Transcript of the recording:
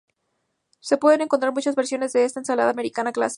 Se pueden encontrar muchas versiones de esta ensalada americana clásica.